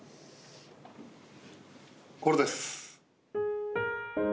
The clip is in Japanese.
これです。